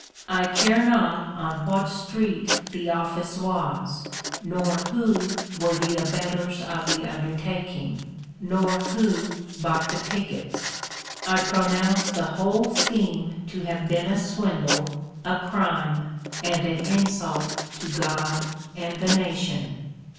I care not on what street the office was, nor who were the abettors of the undertaking, nor who bought the tickets. I pronounce the whole scheme to have been a swindle, a crime, and an insult to God and the nation.